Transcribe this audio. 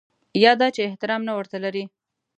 یا دا چې احترام نه ورته لري.